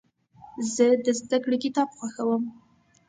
زه د زدهکړې کتاب خوښوم.